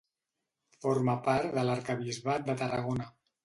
Forma part de l'Arquebisbat de Tarragona.